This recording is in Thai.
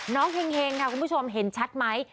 น้องเฮ่งเห็นชัดไหม